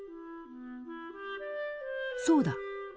そうだ。